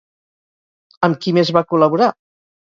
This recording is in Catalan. Amb qui més va col·laborar?